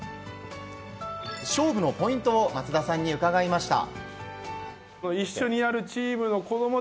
勝負のポイントを松田さんに伺いました。